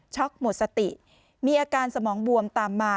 หมดสติมีอาการสมองบวมตามมา